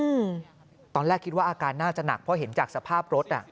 อืมตอนแรกคิดว่าอาการน่าจะหนักเพราะเห็นจากสภาพรถอ่ะ